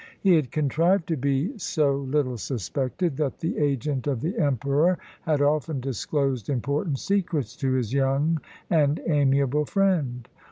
He had contrived to be so little suspected, that the agent of the emperor had often disclosed important secrets to his young and amiable friend.